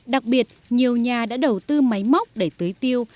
đặc biệt nhiều nhà đã đầu tư máy móc để tưới tiêu